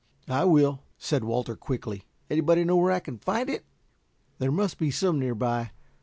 "I will," said Walter quickly. "Anybody know where I can find it?" "There must be some near by.